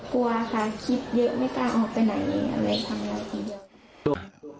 กลัวค่ะคิดเยอะไม่กล้าออกไปไหนอะไรครับ